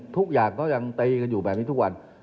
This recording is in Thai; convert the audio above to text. เพราะทุกอย่างตายกันอยู่แบบนี้ทุกวัน